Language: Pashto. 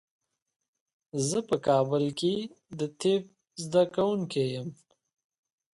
زه په کابل کې د طب زده کوونکی یم.